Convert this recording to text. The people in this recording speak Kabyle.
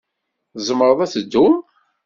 Tzemrem ad teddum?